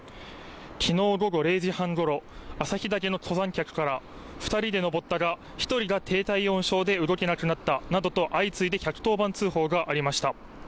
昨日午後０時半ごろ、朝日岳の登山客から、２人で登ったが１人が低体温症で動けなくなったなどと相次いで１１０番通報がありました。